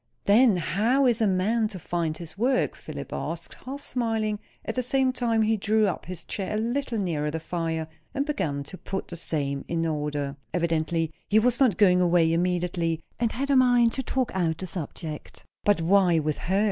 "Then how is a man to find his work?" Philip asked, half smiling; at the same time he drew up his chair a little nearer the fire, and began to put the same in order. Evidently he was not going away immediately, and had a mind to talk out the subject. But why with her?